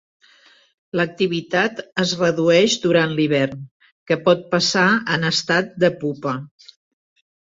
L'activitat es redueix durant l'hivern, que pot passar en estat de pupa.